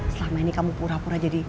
selama ini kamu pura pura jadi